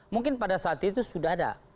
mungkin pada saat itu sudah ada